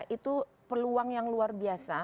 itu peluang yang luar biasa